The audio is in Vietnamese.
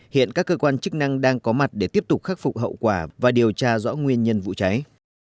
hiện các cơ quan chức năng đang có mặt để tiếp tục khắc phục hậu quả và điều tra rõ nguyên nhân vụ cháy